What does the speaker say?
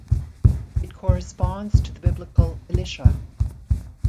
It corresponds to the Biblical Elishah.